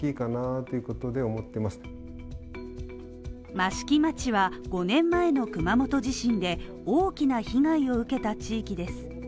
益城町は、５年前の熊本地震で、大きな被害を受けた地域です。